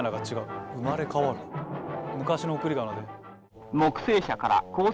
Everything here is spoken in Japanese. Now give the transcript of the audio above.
昔の送りがなで。